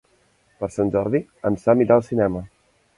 Per Sant Jordi en Sam irà al cinema.